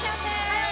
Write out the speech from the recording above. はい！